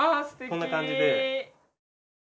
こんな感じで。